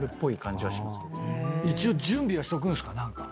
一応準備はしとくんですか？